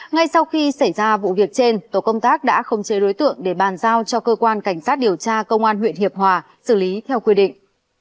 ngay sau khi xảy ra vụ việc trên tổ công tác đã không chế đối tượng để bàn giao cho cơ quan cảnh sát điều tra công an huyện hiệp hòa xử lý theo quy định